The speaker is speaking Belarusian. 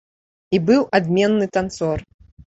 І быў адменны танцор.